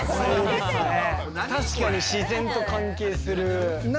確かに自然と関係する。